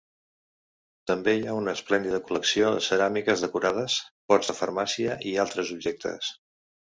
També hi ha una esplèndida col·lecció de ceràmiques decorades, pots de farmàcia i altres objectes.